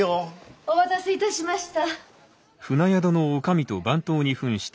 お待たせ致しました。